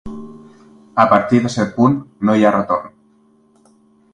A partir de cert punt no hi ha retorn.